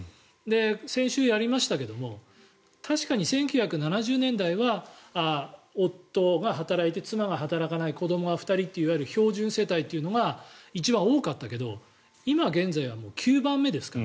先週、やりましたけど確かに１９７０年代は夫が働いて妻が働かない子どもが２人といういわゆる標準世帯というのが一番多かったけれど今現在は９番目ですから。